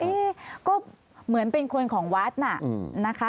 เอ๊ะก็เหมือนเป็นคนของวัดน่ะนะคะ